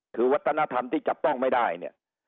คือวัฒนธรรมที่จับต้องไม่ได้เนี่ย